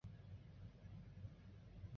人称三娘子。